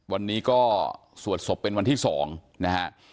วันนี้ก็สวดศพเป็นวันที่๒นะฮะ